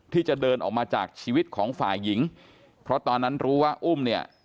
ที่จะเดินออกมาจากชีวิตของฝ่ายหญิงเพราะตอนนั้นรู้ว่าอุ้มเนี่ย